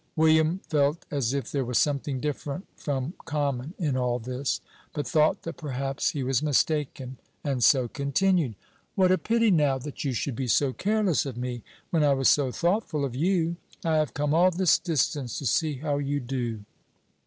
William felt as if there was something different from common in all this, but thought that perhaps he was mistaken, and so continued: "What a pity, now, that you should be so careless of me, when I was so thoughtful of you! I have come all this distance, to see how you do."